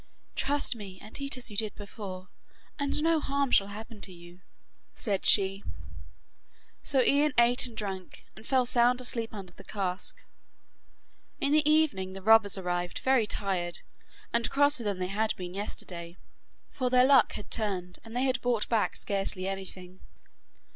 'Trust me and eat as you did before, and no harm shall happen to you,' said she. So Ian ate and drank, and fell sound asleep under the cask. In the evening the robbers arrived very tired, and crosser than they had been yesterday, for their luck had turned and they had brought back scarcely anything.